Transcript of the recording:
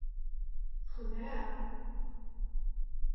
Texdeɛ-aɣ.